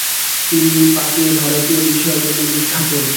তিনি প্রাচীন ভারতীয় বিষয়ের জন্য বিখ্যাত।